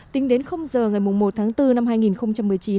tính đến giờ ngày một tháng bốn năm hai nghìn một mươi chín